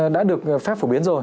đã được phép phổ biến rồi